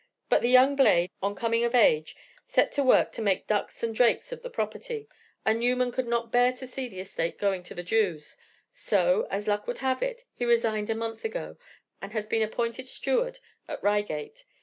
But the young blade, on coming of age, set to work to make ducks and drakes of the property, and Newman could not bear to see the estate going to the Jews, so, as luck would have it, he resigned a month ago, and has been appointed steward at Reigate.